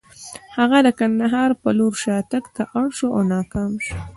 هغه د کندهار په لور شاتګ ته اړ شو او ناکام شو.